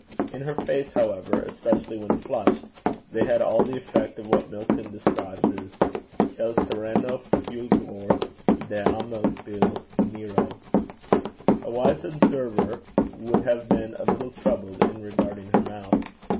In her face, however, especially when flushed, they had all the effect of what Milton describes as Quel sereno fulgor d'amabil nero. A wise observer would have been a little troubled in regarding her mouth.